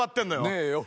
ねえよ。